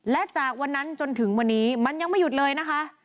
และจากวันนั้นจนถึงวันนี้มันยังไม่หยุดเลยนะคะ